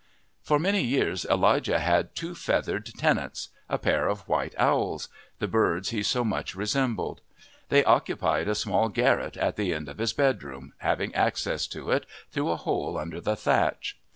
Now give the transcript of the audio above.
For many years Elijah had two feathered tenants, a pair of white owls the birds he so much resembled. They occupied a small garret at the end of his bedroom, having access to it through a hole under the thatch.